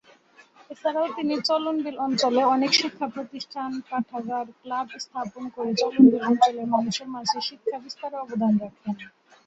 এছাড়াও তিনি চলনবিল অঞ্চলে অনেক শিক্ষা প্রতিষ্ঠান, পাঠাগার, ক্লাব স্থাপন করে চলনবিল অঞ্চলের মানুষের মাঝে শিক্ষা বিস্তারে অবদান রাখেন।